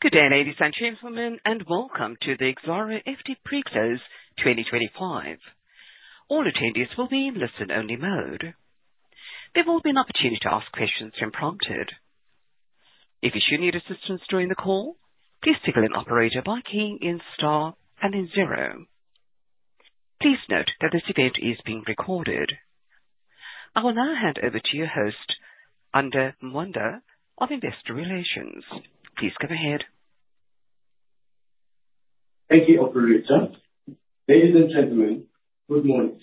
Good day, ladies and gentlemen, and welcome to the Exxaro FD preclose 2025. All attendees will be in listen-only mode. There will be an opportunity to ask questions when prompted. If you should need assistance during the call, please tickling operator by keying in star and then zero. Please note that this event is being recorded. I will now hand over to your host, Anda Mwanda of Investor Relations. Please come ahead. Thank you, Operator. Ladies and gentlemen, good morning.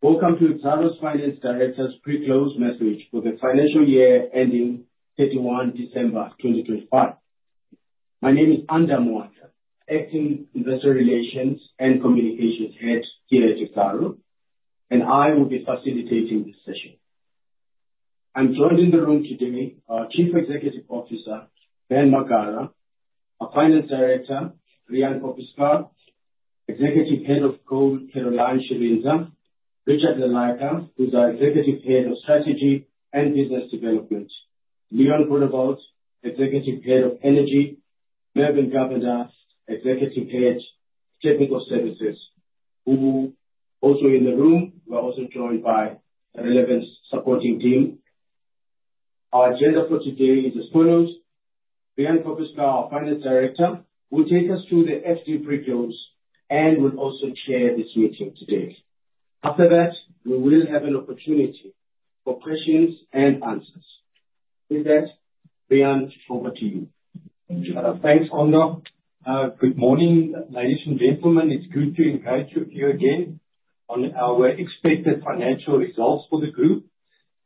Welcome to Exxaro's Finance Director's preclose message for the financial year ending 31 December 2025. My name is Anda Mwanda, Acting Investor Relations and Communications Head here at Exxaro, and I will be facilitating this session. I'm joined in the room today by our Chief Executive Officer, Ben Magara, our Finance Director, Riaan Koppeschaar, Executive Head of Gold, Caroline Shirindza, Richard Lilleike, who's our Executive Head of Strategy and Business Development, Leon Groenewald, Executive Head of Energy, and Melvin Govender, Executive Head of Technical Services. Also in the room, we are joined by a relevant supporting team. Our agenda for today is as follows: Riaan Koppeschaar, our Finance Director, will take us through the FD preclose and will also chair this meeting today. After that, we will have an opportunity for questions and answers. With that, Riaan, over to you. Thanks, Under. Good morning, ladies and gentlemen. It's good to invite you here again on our expected financial results for the group.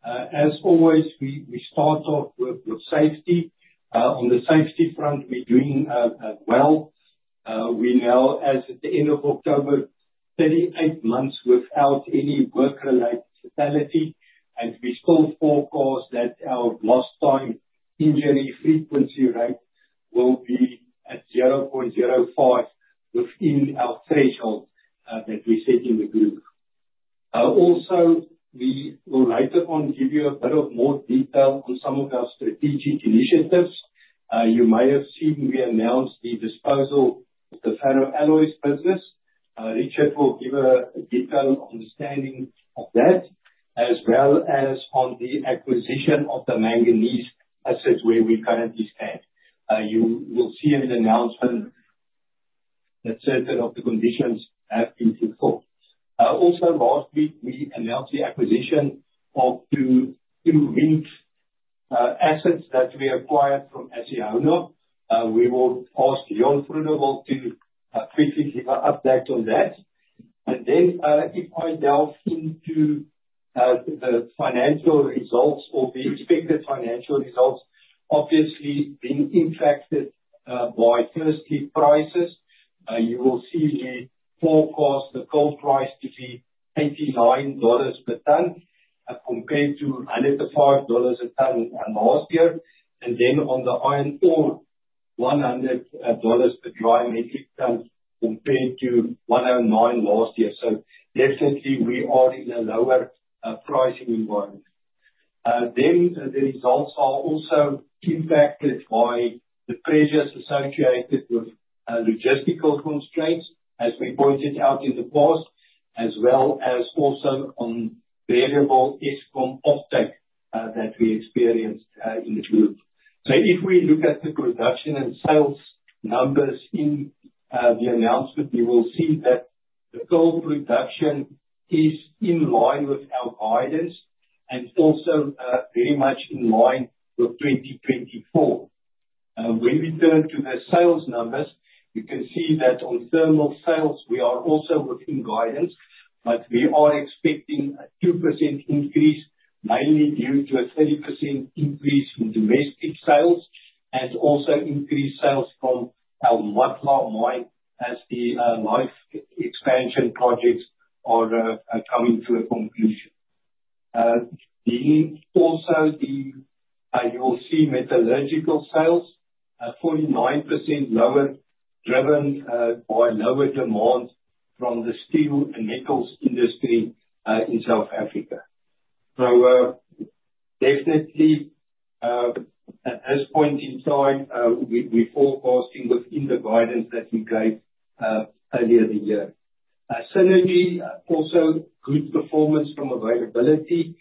As always, we start off with safety. On the safety front, we're doing well. We now, as at the end of October, 38 months without any work-related fatality, and we still forecast that our lost-time injury frequency rate will be at 0.05 within our threshold that we set in the group. Also, we will later on give you a bit of more detail on some of our strategic initiatives. You may have seen we announced the disposal of the ferroalloy business. Richard will give a detailed understanding of that, as well as on the acquisition of the manganese assets where we currently stand. You will see in the announcement that certain of the conditions have been fulfilled. Also, last week, we announced the acquisition of two wind assets that we acquired from ACCIONA. We will ask Leon Groenewald to quickly give an update on that. If I delve into the financial results or the expected financial results, obviously being impacted by firstly prices, you will see we forecast the coal price to be $89 per ton compared to $105 a ton last year. On the iron ore, $100 per dry metric ton compared to $109 last year. We are in a lower pricing environment. The results are also impacted by the pressures associated with logistical constraints, as we pointed out in the past, as well as also on variable Eskom optic that we experienced in the group. If we look at the production and sales numbers in the announcement, you will see that the coal production is in line with our guidance and also very much in line with 2024. When we turn to the sales numbers, you can see that on thermal sales, we are also within guidance, but we are expecting a 2% increase, mainly due to a 30% increase in domestic sales and also increased sales from our Matla mine as the life expansion projects are coming to a conclusion. Also, you will see metallurgical sales, 49% lower, driven by lower demand from the steel and metals industry in South Africa. Definitely at this point in time, we're forecasting within the guidance that we gave earlier in the year. Synergy, also good performance from availability.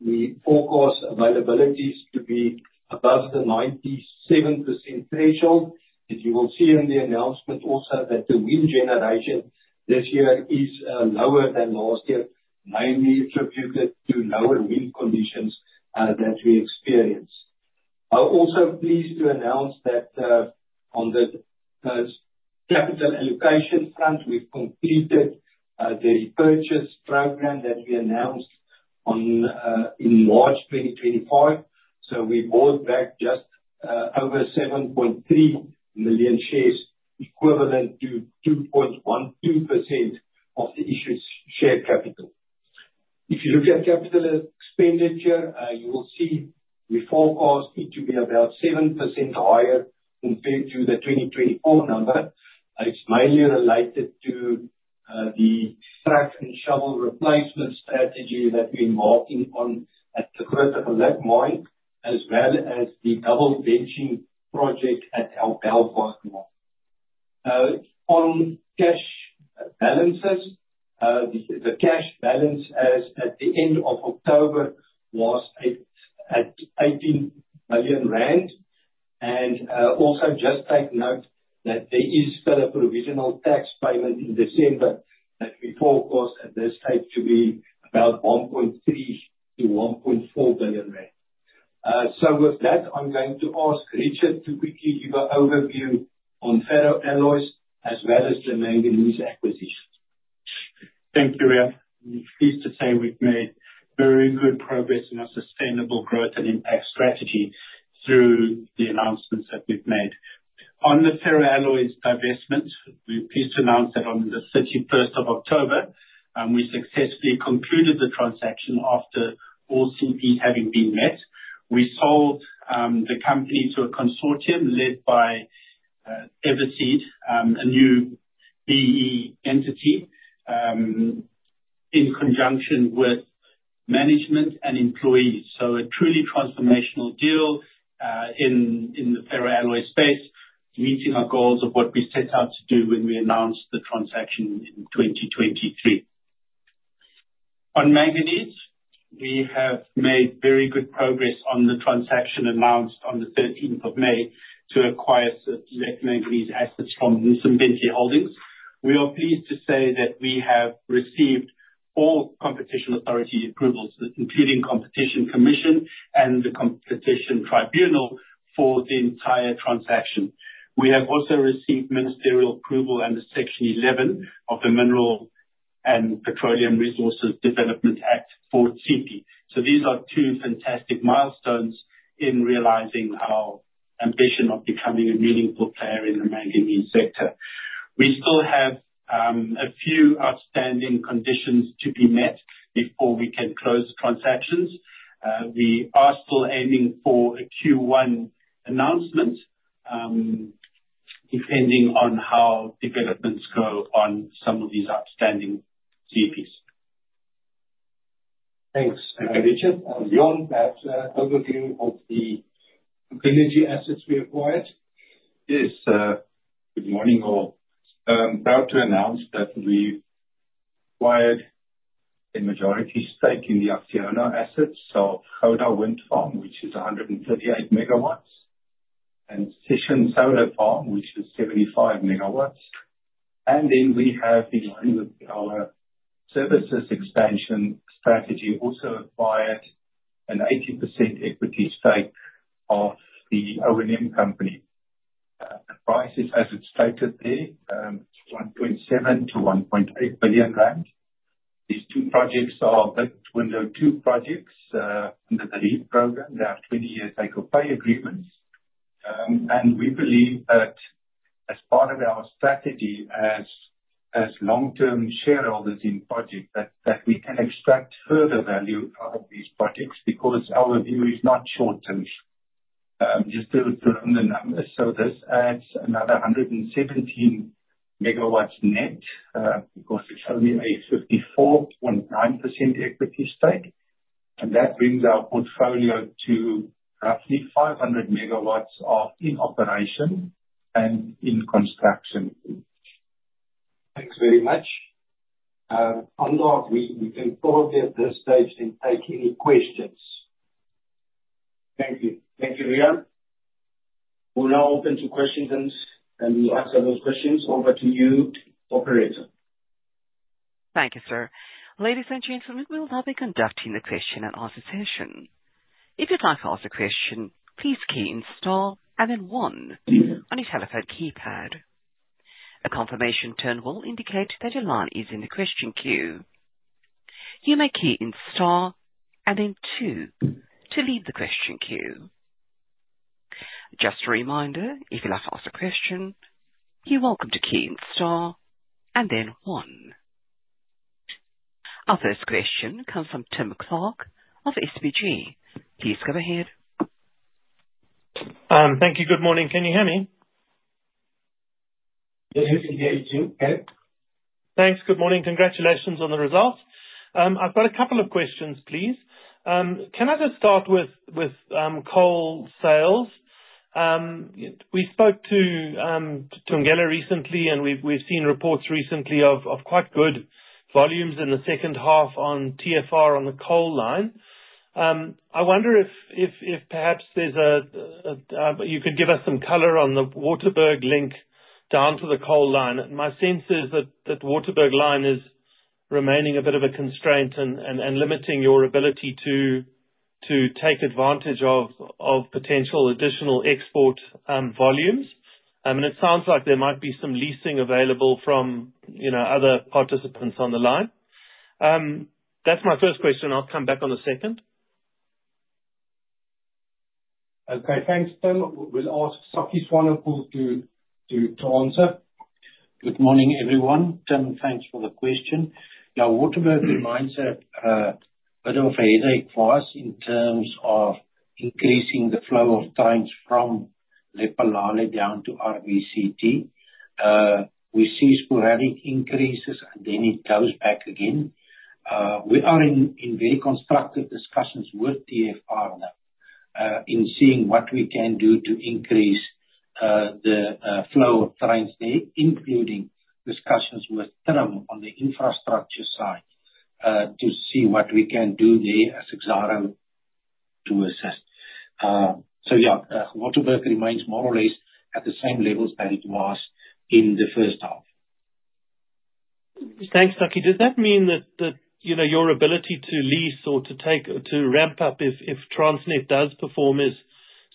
We forecast availabilities to be above the 97% threshold. As you will see in the announcement, also that the wind generation this year is lower than last year, mainly attributed to lower wind conditions that we experience. I'm also pleased to announce that on the capital allocation front, we've completed the repurchase program that we announced in March 2025. We bought back just over 7.3 million shares, equivalent to 2.12% of the issued share capital. If you look at capital expenditure, you will see we forecast it to be about 7% higher compared to the 2024 number. It's mainly related to the track and shovel replacement strategy that we're embarking on at the Kgabi Masia mine, as well as the double benching project at our Belfast mine. On cash balances, the cash balance as at the end of October was at 18 billion rand. Also just take note that there is still a provisional tax payment in December that we forecast at this stage to be about 1.3 billion-1.4 billion rand. With that, I'm going to ask Richard to quickly give an overview on ferroalloys, as well as the manganese acquisition. Thank you, Riaan. Pleased to say we've made very good progress in our sustainable growth and impact strategy through the announcements that we've made. On the ferroalloy divestment, we're pleased to announce that on the 31st of October, we successfully concluded the transaction after all CPs having been met. We sold the company to a consortium led by EverSeed, a new BE entity, in conjunction with management and employees. A truly transformational deal in the ferroalloy space, meeting our goals of what we set out to do when we announced the transaction in 2023. On manganese, we have made very good progress on the transaction announced on the 13th of May to acquire select manganese assets from Wilson Bentley Holdings. We are pleased to say that we have received all competition authority approvals, including Competition Commission and the Competition Tribunal, for the entire transaction. We have also received ministerial approval under Section 11 of the Mineral and Petroleum Resources Development Act for CP. These are two fantastic milestones in realizing our ambition of becoming a meaningful player in the manganese sector. We still have a few outstanding conditions to be met before we can close transactions. We are still aiming for a Q1 announcement, depending on how developments go on some of these outstanding CPs. Thanks, Richard. Leon, that overview of the energy assets we acquired. Yes, good morning all. I'm proud to announce that we've acquired a majority stake in the ACCIONA assets of Gouda Wind Farm, which is 138 MW, and Sishen Solar Farm, which is 75 MW. In line with our services expansion strategy, we have also acquired an 80% equity stake of the O&M company. The price is, as it's stated there, 1.7 billion-1.8 billion rand. These two projects are window two projects under the REIPPPP program. They are 20-year take-up pay agreements. We believe that as part of our strategy as long-term shareholders in projects, we can extract further value out of these projects because our view is not short-term. Just to run the numbers, this adds another 117 MW net because it's only a 54.9% equity stake. That brings our portfolio to roughly 500 MW of in operation and in construction. Thanks very much. Anda, we can probably at this stage then take any questions. Thank you. Thank you, Riaan. We're now open to questions, and we'll answer those questions. Over to you, Operator. Thank you, sir. Ladies and gentlemen, we will now be conducting the question and answer session. If you'd like to ask a question, please key in star and then one on your telephone keypad. A confirmation tone will indicate that your line is in the question queue. You may key in star and then two to leave the question queue. Just a reminder, if you'd like to ask a question, you're welcome to key in star and then one. Our first question comes from Tim Clark of SPG. Please go ahead. Thank you. Good morning. Can you hear me? Yes, we can hear you, Tim okay. Thanks. Good morning. Congratulations on the results. I've got a couple of questions, please. Can I just start with coal sales? We spoke to Ngela recently, and we've seen reports recently of quite good volumes in the second half on TFR on the coal line. I wonder if perhaps you could give us some color on the Waterberg link down to the coal line. My sense is that Waterberg line is remaining a bit of a constraint and limiting your ability to take advantage of potential additional export volumes. It sounds like there might be some leasing available from other participants on the line. That's my first question. I'll come back on the second. Okay. Thanks, Tim. We'll ask Sakkie Swanepoel to answer. Good morning, everyone. Tim, thanks for the question. Now, Waterberg remains a bit of a headache for us in terms of increasing the flow of tons from Lephalale down to RBCT. We see sporadic increases, and then it goes back again. We are in very constructive discussions with TFR now in seeing what we can do to increase the flow of tons there, including discussions with Transnet on the infrastructure side to see what we can do there as Exxaro to assist. Yeah, Waterberg remains more or less at the same levels that it was in the first half. Thanks, Sakkie. Does that mean that your ability to lease or to ramp up if Transnet does perform is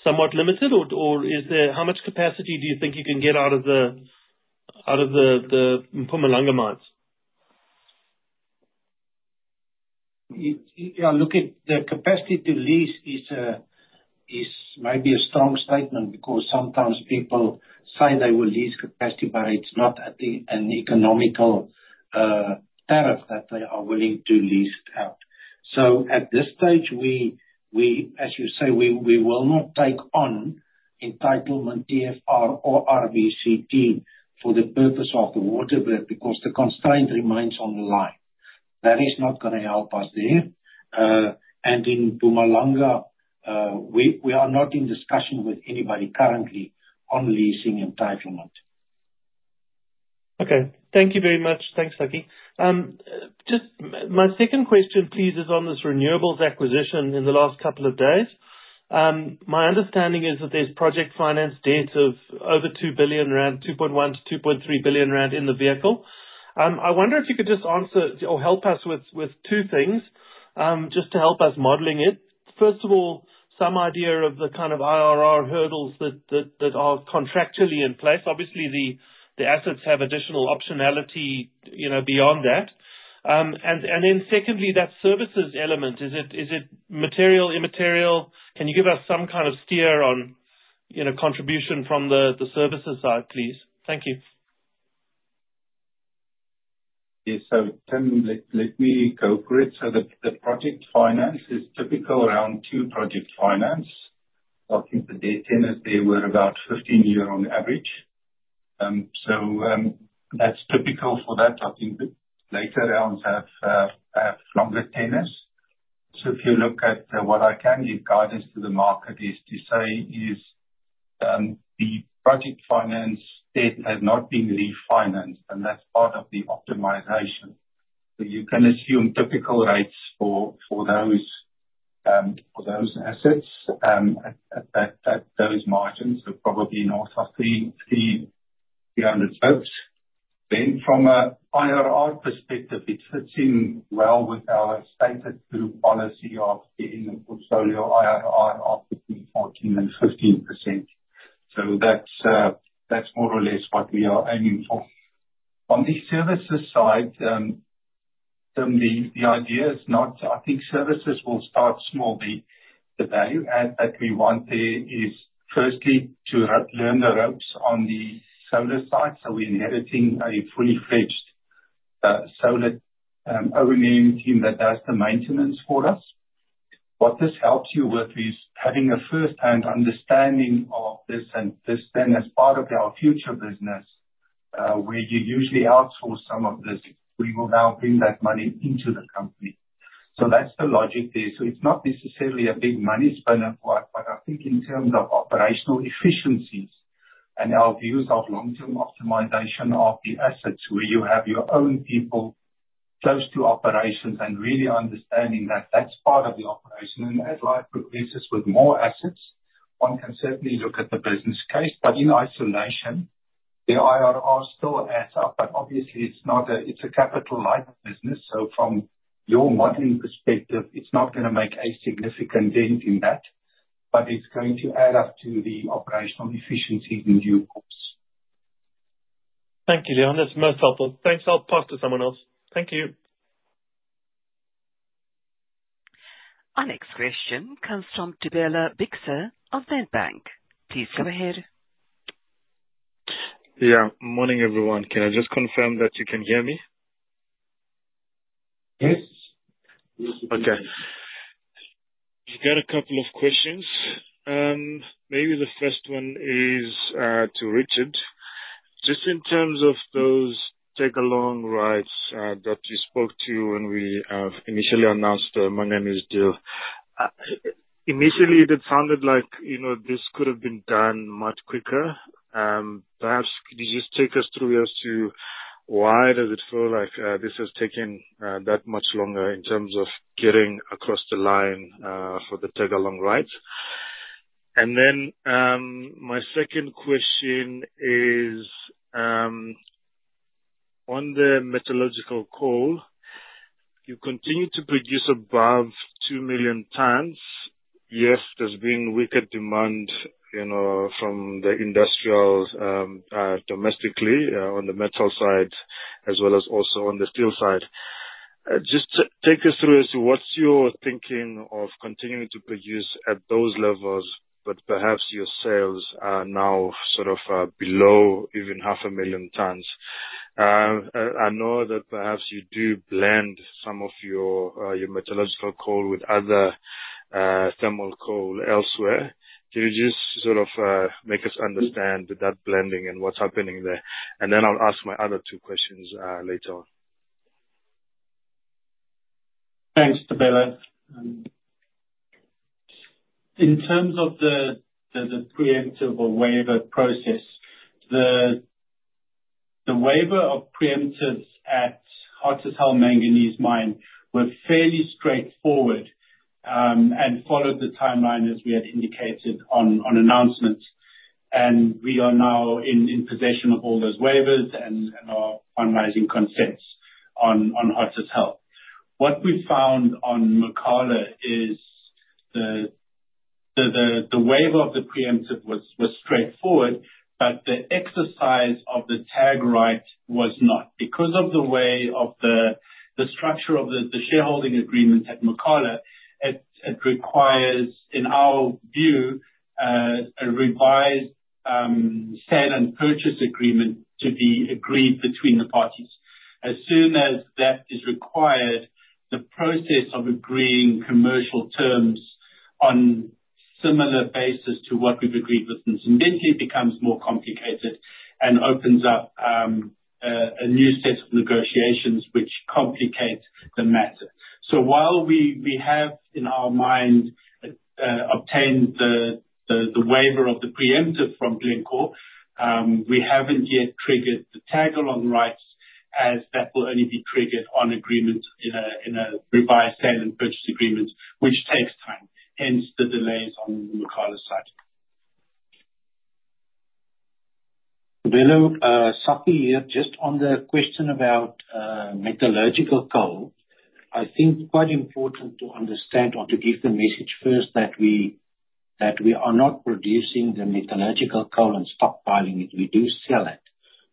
somewhat limited, or how much capacity do you think you can get out of the Mpumalanga mines? Yeah, look at the capacity to lease might be a strong statement because sometimes people say they will lease capacity, but it is not at an economical tariff that they are willing to lease out. At this stage, as you say, we will not take on entitlement TFR or RBCT for the purpose of the Waterberg because the constraint remains on the line. That is not going to help us there. In Mpumalanga, we are not in discussion with anybody currently on leasing entitlement. Okay. Thank you very much. Thanks, Sakkie. Just my second question, please, is on this renewables acquisition in the last couple of days. My understanding is that there's project finance debts of over 2 billion rand, 2.1 billion-2.3 billion rand in the vehicle. I wonder if you could just answer or help us with two things just to help us modeling it. First of all, some idea of the kind of IRR hurdles that are contractually in place. Obviously, the assets have additional optionality beyond that. Then secondly, that services element, is it material, immaterial? Can you give us some kind of steer on contribution from the services side, please? Thank you. Yes. Tim, let me go for it. The project finance is typical around two project finance. Talking to their tenants, they were about 15 year on average. That is typical for that. I think later rounds have longer tenants. If you look at what I can give guidance to the market is to say the project finance debt has not been refinanced, and that is part of the optimization. You can assume typical rates for those assets at those margins, so probably north of 300 basis points. From an IRR perspective, it fits in well with our stated through policy of getting the portfolio IRR of between 14%-15%. That is more or less what we are aiming for. On the services side, Tim, the idea is not I think services will start small. The value add that we want there is firstly to learn the ropes on the solar side. We are inheriting a fully-fledged solar O&M team that does the maintenance for us. What this helps you with is having a firsthand understanding of this, and this then as part of our future business, where you usually outsource some of this, we will now bring that money into the company. That is the logic there. It is not necessarily a big money spender, but I think in terms of operational efficiencies and our views of long-term optimization of the assets, where you have your own people close to operations and really understanding that, that is part of the operation. As life progresses with more assets, one can certainly look at the business case, but in isolation, the IRR still adds up. Obviously, it is a capital-light business. From your modeling perspective, it's not going to make a significant dent in that, but it's going to add up to the operational efficiencies in due course. Thank you, Leon. That is most helpful. Thanks. I will pass to someone else. Thank you. Our next question comes from Dibela Bixer of Ventbank. Please go ahead. Yeah. Morning, everyone. Can I just confirm that you can hear me? Yes. Okay. We've got a couple of questions. Maybe the first one is to Richard. Just in terms of those tag-along rights that you spoke to when we initially announced the manganese deal, initially, it had sounded like this could have been done much quicker. Perhaps could you just take us through as to why does it feel like this has taken that much longer in terms of getting across the line for the tag-along rights? My second question is, on the metallurgical coal, you continue to produce above 2 million tons. Yes, there's been weaker demand from the industrials domestically on the metal side, as well as also on the steel side. Just take us through as to what's your thinking of continuing to produce at those levels, but perhaps your sales are now sort of below even 500,000 tons. I know that perhaps you do blend some of your metallurgical coal with other thermal coal elsewhere. Can you just sort of make us understand that blending and what's happening there? I will ask my other two questions later on. Thanks, Dibela. In terms of the preemptive or waiver process, the waiver of preemptives at Hotazel Manganese Mine were fairly straightforward and followed the timeline as we had indicated on announcements. We are now in possession of all those waivers and are finalizing consents on Hotazel. What we found on Mokala is the waiver of the preemptive was straightforward, but the exercise of the tag right was not. Because of the way of the structure of the shareholding agreements at Mokala, it requires, in our view, a revised sale and purchase agreement to be agreed between the parties. As soon as that is required, the process of agreeing commercial terms on similar basis to what we've agreed with incidentally becomes more complicated and opens up a new set of negotiations, which complicates the matter. While we have, in our mind, obtained the waiver of the preemptive from Glencore, we haven't yet triggered the tag-along rights, as that will only be triggered on agreement in a revised sale and purchase agreement, which takes time. Hence the delays on the Mokala side. Dibela, Sakkie here, just on the question about metallurgical coal, I think it's quite important to understand or to give the message first that we are not producing the metallurgical coal and stockpiling it. We do sell it,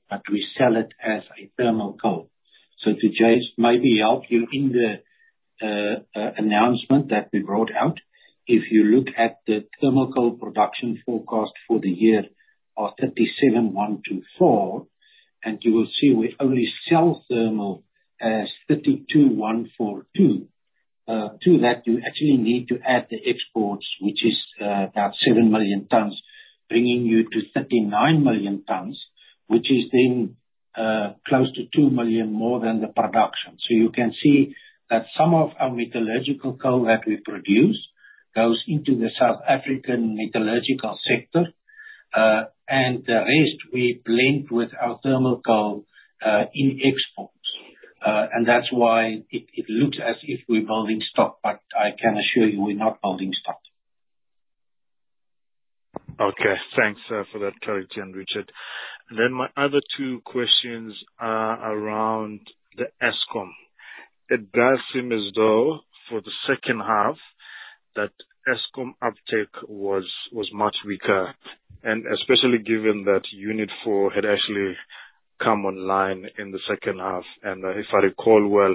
but we sell it as a thermal coal. To just maybe help you in the announcement that we brought out, if you look at the thermal coal production forecast for the year of 37 million tons, 124, and you will see we only sell thermal as 32,420,000. To that, you actually need to add the exports, which is about 7 million tons, bringing you to 39 million tons, which is then close to 2 million more than the production. You can see that some of our metallurgical coal that we produce goes into the South African metallurgical sector, and the rest we blend with our thermal coal in exports. It looks as if we're building stock, but I can assure you we're not building stock. Okay. Thanks for that correction, Richard. My other two questions are around Eskom. It does seem as though for the second half that Eskom uptake was much weaker, especially given that Unit 4 had actually come online in the second half. If I recall well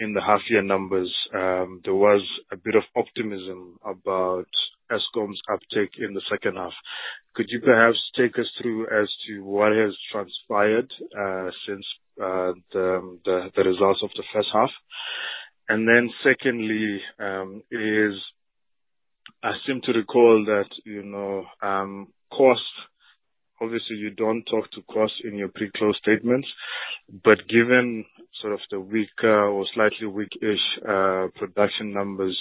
in the half-year numbers, there was a bit of optimism about Eskom's uptake in the second half. Could you perhaps take us through as to what has transpired since the results of the first half? Secondly, I seem to recall that cost, obviously, you do not talk to cost in your pre-close statements, but given sort of the weak or slightly weak-ish production numbers,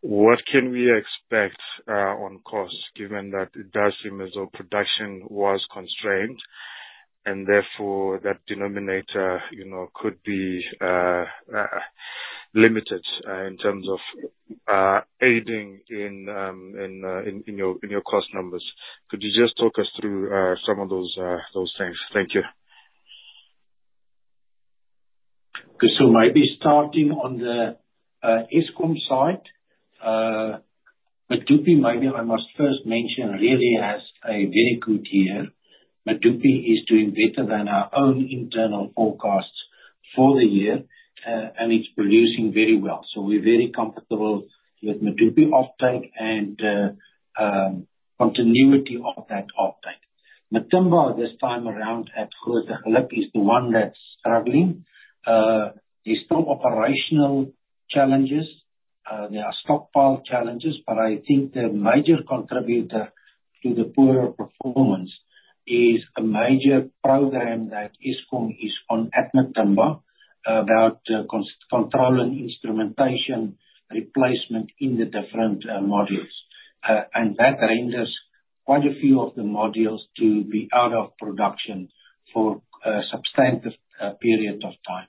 what can we expect on cost, given that it does seem as though production was constrained and therefore that denominator could be limited in terms of aiding in your cost numbers? Could you just talk us through some of those things? Thank you. Okay. Maybe starting on the Eskom side, Medupi, maybe I must first mention, really has had a very good year. Medupi is doing better than our own internal forecasts for the year, and it's producing very well. We are very comfortable with Medupi offtake and continuity of that offtake. Matimba, this time around, at Groenewald, is the one that's struggling. There are still operational challenges. There are stockpile challenges, but I think the major contributor to the poorer performance is a major program that Eskom is on at Matimba about controlling instrumentation replacement in the different modules. That renders quite a few of the modules to be out of production for a substantive period of time.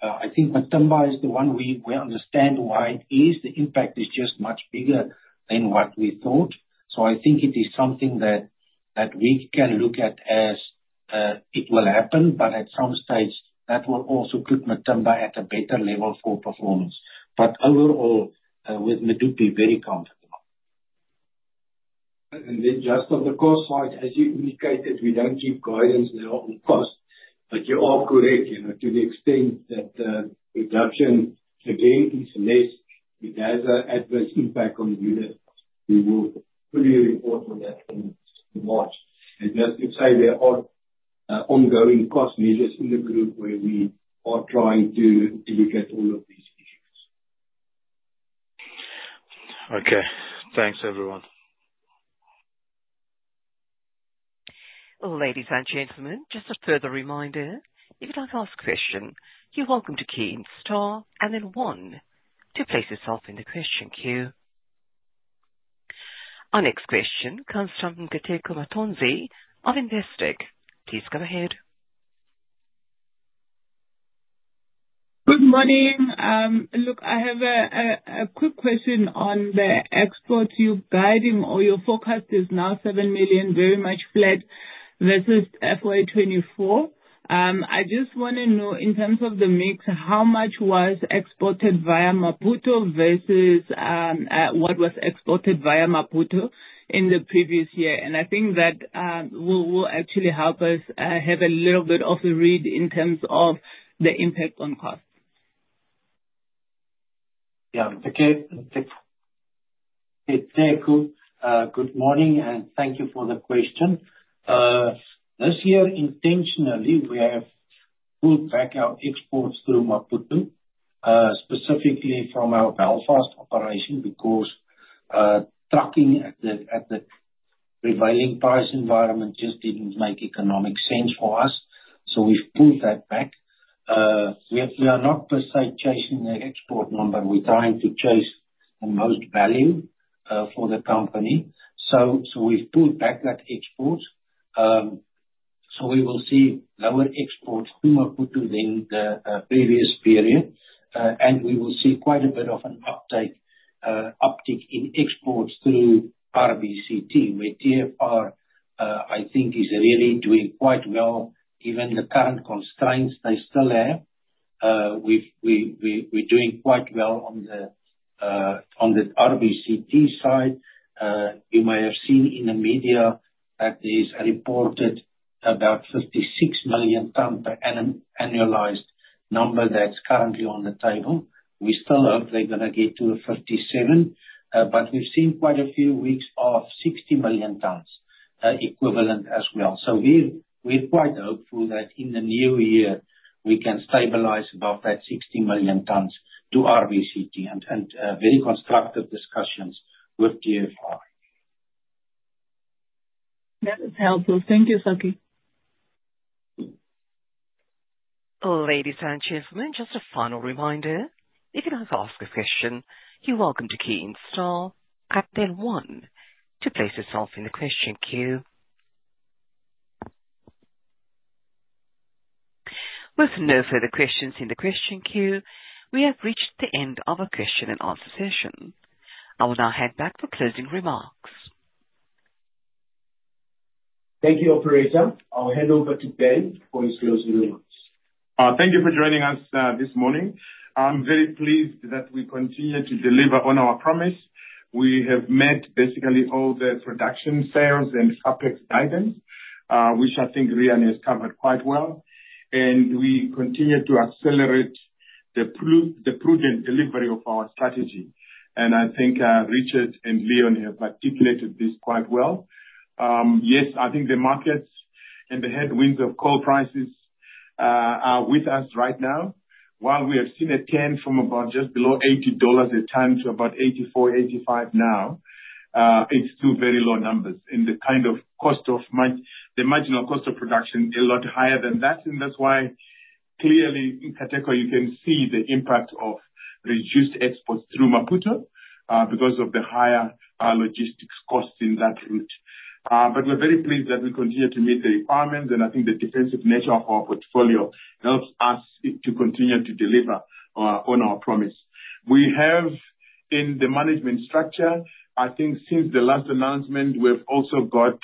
I think Matimba is the one we understand why it is. The impact is just much bigger than what we thought. I think it is something that we can look at as it will happen, but at some stage, that will also put Matimba at a better level for performance. Overall, with Medupi, very comfortable. Just on the cost side, as you indicated, we do not give guidance now on cost, but you are correct to the extent that the reduction again is less. It has an adverse impact on the unit. We will fully report on that in March. Just to say there are ongoing cost measures in the group where we are trying to look at all of these issues. Okay. Thanks, everyone. Ladies and gentlemen, just a further reminder, if you'd like to ask a question, you're welcome to key in star and then one to place yourself in the question queue. Our next question comes from Nkateko Mathonsi of Investec. Please go ahead. Good morning. Look, I have a quick question on the exports. Your guidance or your forecast is now 7 million, very much flat versus FY 2024. I just want to know in terms of the mix, how much was exported via Maputo versus what was exported via Maputo in the previous year? I think that will actually help us have a little bit of a read in terms of the impact on cost. Yeah. Nkateko, good morning, and thank you for the question. This year, intentionally, we have pulled back our exports through Maputo, specifically from our Belfast operation because trucking at the prevailing price environment just didn't make economic sense for us. We have pulled that back. We are not per se chasing the export number. We are trying to chase the most value for the company. We have pulled back that export. We will see lower exports to Maputo than the previous period, and we will see quite a bit of an uptick in exports through RBCT, where TFR, I think, is really doing quite well. Even with the current constraints they still have, we are doing quite well on the RBCT side. You may have seen in the media that there is reported about 56 million ton per annum annualized number that is currently on the table. We still hope they're going to get to 57, but we've seen quite a few weeks of 60 million tons equivalent as well. We are quite hopeful that in the new year, we can stabilize above that 60 million tons to RBCT and very constructive discussions with TFR. That is helpful. Thank you, Sakkie. Ladies and gentlemen, just a final reminder, if you'd like to ask a question, you're welcome to key in star and then one to place yourself in the question queue. With no further questions in the question queue, we have reached the end of our question and answer session. I will now hand back for closing remarks. Thank you, Opereta. I'll hand over to Ben for his closing remarks. Thank you for joining us this morning. I'm very pleased that we continue to deliver on our promise. We have met basically all the production, sales, and fabric guidance, which I think Riaan has covered quite well. We continue to accelerate the prudent delivery of our strategy. I think Richard and Leon have articulated this quite well. I think the markets and the headwinds of coal prices are with us right now. While we have seen a turn from just below $80 a ton to about $84-$85 now, it's still very low numbers in the kind of cost of the marginal cost of production a lot higher than that. That's why clearly in Nkateko, you can see the impact of reduced exports through Maputo because of the higher logistics costs in that route. We are very pleased that we continue to meet the requirements, and I think the defensive nature of our portfolio helps us to continue to deliver on our promise. We have in the management structure, I think since the last announcement, we have also got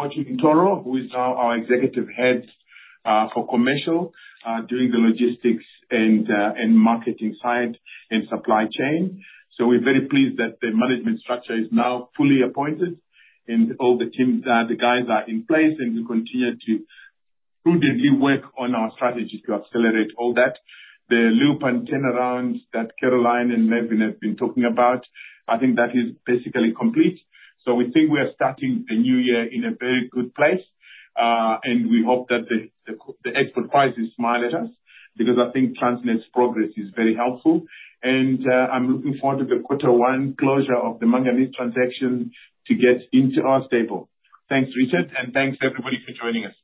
Portuguese Toro, who is now our Executive Head for Commercial doing the logistics and marketing side and supply chain. We are very pleased that the management structure is now fully appointed and all the teams, the guys are in place, and we continue to prudently work on our strategy to accelerate all that. The loop and turnaround that Caroline and Melvin have been talking about, I think that is basically complete. We think we are starting the new year in a very good place, and we hope that the export prices smile at us because I think Transnet's progress is very helpful. I am looking forward to the quarter one closure of the manganese transaction to get into our stable. Thanks, Richard, and thanks everybody for joining us.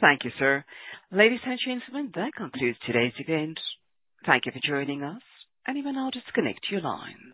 Thank you, sir. Ladies and gentlemen, that concludes today's event. Thank you for joining us, and we'll now disconnect your lines.